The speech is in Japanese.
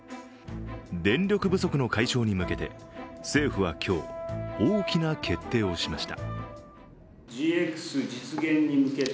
電力不足の解消に向けて、政府は今日大きな決定をしました。